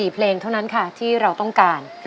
๔เพลงเท่านั้นค่ะที่เราต้องการ